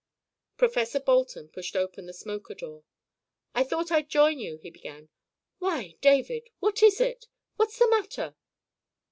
Professor Bolton pushed open the smoker door. "I thought I'd join you," he began. "Why, David, what is it? What's the matter?"